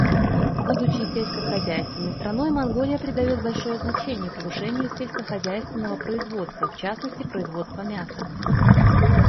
Будучи сельскохозяйственной страной, Монголия придает большое значение повышению сельскохозяйственного производства, в частности производства мяса.